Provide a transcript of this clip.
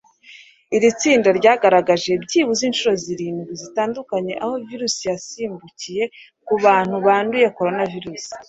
Iri tsinda ryagaragaje byibuze inshuro zirindwi zitandukanye aho virusi yasimbukiye ku bantu banduye koronavirusi